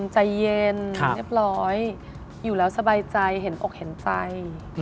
ใจเย็นเรียบร้อยอยู่แล้วสบายใจเห็นอกเห็นใจ